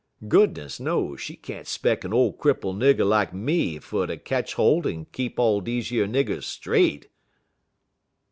Goodness knows, she can't 'speck a ole cripple nigger lak me fer ter ketch holt en keep all deze yer niggers straight."